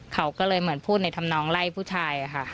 เขาก็เลยเหมือนพูดในธรรมนองไล่ผู้ชายค่ะ